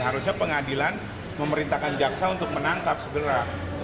harusnya pengadilan memerintahkan jaksa untuk menangkap segera